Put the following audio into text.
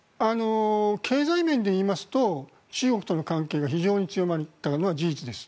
経済面で言いますと中国との関係が非常に強まったのは事実です。